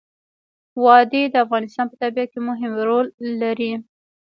وادي د افغانستان په طبیعت کې مهم رول لري.